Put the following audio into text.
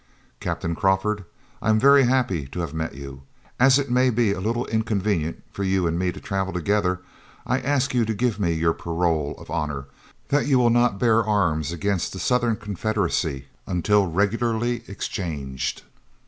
"Captain Crawford, I am very happy to have met you. As it may be a little inconvenient for you and me to travel together, I ask you to give me your parole of honor that you will not bear arms against the Southern Confederacy until regularly exchanged."